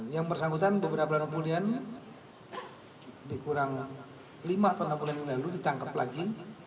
yang bersangkutan beberapa bulan lalu dikurang lima tahun lalu ditangkap lagi